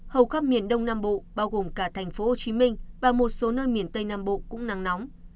hầu khắp miền đông nam bộ bao gồm cả thành phố hồ chí minh và một số nơi miền tây nam bộ cũng nắng nóng